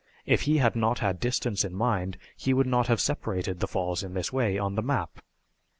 If he had not had distance in mind he would not have separated the falls in this way on the map."